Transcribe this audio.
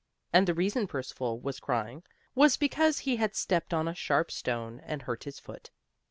And the reason Percival was crying, was because he had stepped on a sharp stone, and hurt his foot.